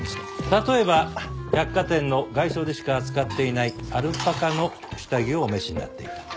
例えば百貨店の外商でしか扱っていないアルパカの下着をお召しになっていた。